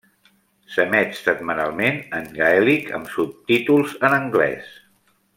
S'emet setmanalment en gaèlic amb subtítols en anglès.